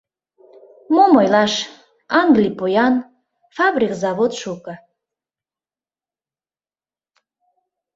Мом ойлаш, Англий поян, фабрик-завод шуко.